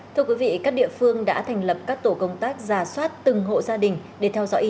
thưa quý vị các địa phương đã thành lập các tổ công tác giả soát từng hộ gia đình để theo dõi y